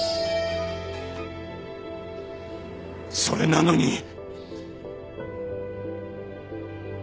それなのに。